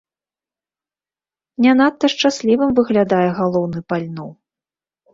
Не надта шчаслівым выглядае галоўны па льну.